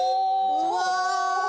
うわ！